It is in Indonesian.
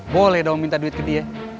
boleh dong minta duit gede ya